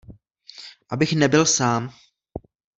Abych nebyl sám.